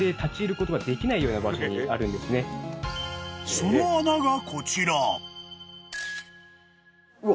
［その穴がこちら］